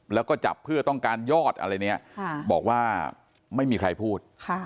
แล้วก็จับเพื่อต้องการยอดอะไรเนี่ยบอกว่าไม่มีใครพูด